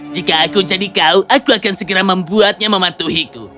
jika aku jadi kau aku akan segera membuatnya mematuhiku